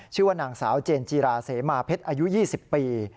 ชื่อว่านางสาวเจนจีราเสมาเพชรอายุ๒๐ปี